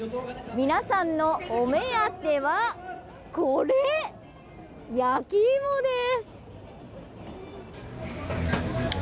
皆さんのお目当ては焼きイモです。